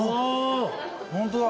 ホントだ。